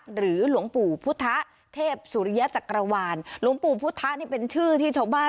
หลวงปู่พุทธเทพสุริยจักรวาลหลวงปู่พุทธะนี่เป็นชื่อที่ชาวบ้าน